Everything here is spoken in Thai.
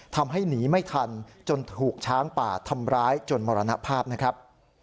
ทำให้หนีไม่ทันจนถูกช้างป่าทำร้ายจนมรณภาพนะครับ